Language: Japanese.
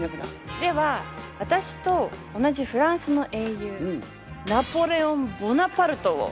では私と同じフランスの英雄ナポレオン・ボナパルトを。